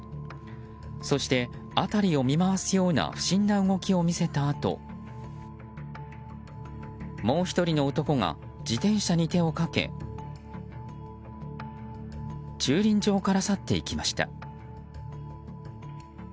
そして、辺りを見回すような不審な動きを見せたあともう１人の男が自転車に手をかけ駐輪場から去っていきました。